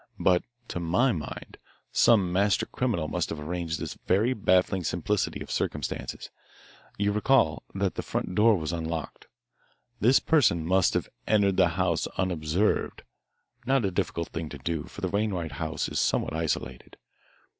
But to my mind, some master criminal must have arranged this very baffling simplicity of circumstances. You recall that the front door was unlocked. This person must have entered the house unobserved, not a difficult thing to do, for the Wainwright house is somewhat isolated.